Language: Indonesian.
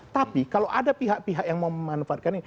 tapi kalau ada pihak pihak yang memanfaatkan ini